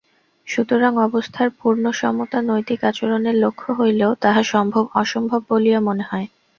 সুতরাং অবস্থার পূর্ণ সমতা নৈতিক আচরণের লক্ষ্য হইলেও তাহা অসম্ভব বলিয়া মনে হয়।